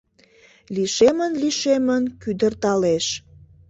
Лишемын-лишемын кӱдырталеш.